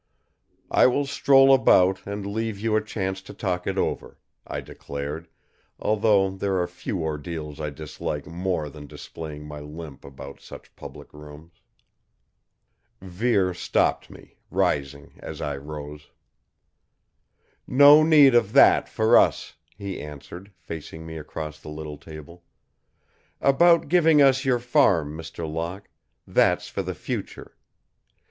"I will stroll about and leave you a chance to talk it over," I declared; although there are few ordeals I dislike more than displaying my limp about such public rooms. Vere stopped me, rising as I rose. "No need of that, for us," he answered, facing me across the little table. "About giving us your farm, Mr. Locke, that's for the future!